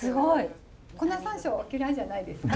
粉山椒お嫌いじゃないですか？